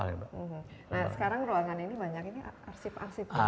nah sekarang ruangan ini banyak arsip arsip ya